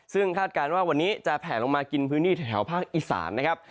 ซึ่งคาดการณ์ว่าวันนี้จะแผลลงมากินพื้นที่แถวภาคอีสานนะครับ